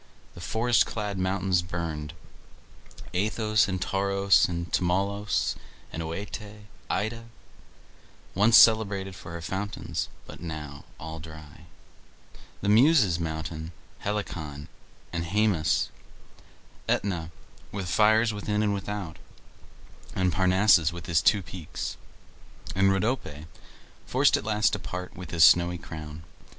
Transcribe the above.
The forest clad mountains burned, Athos and Taurus and Tmolus and OEte; Ida, once celebrated for fountains, but now all dry; the Muses' mountain Helicon, and Haemus; Aetna, with fires within and without, and Parnassus, with his two peaks, and Rhodope, forced at last to part with his snowy crown.